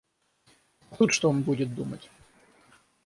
А тут что он будет думать?